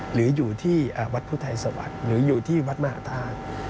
หรืออยู่ที่วัดพุทธไทยสวัสดิ์หรืออยู่ที่วัดมหาธาตุ